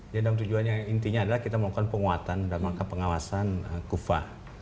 ya dan tujuannya intinya adalah kita melakukan penguatan dalam langkah pengawasan kufa